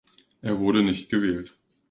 Er wurde nicht gewählt.